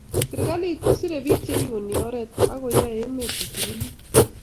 Serikalit ko sire biik che iuni oret ako yao emet ko tililit